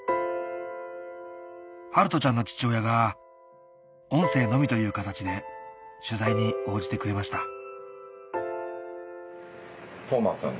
暖人ちゃんの父親が音声のみという形で取材に応じてくれました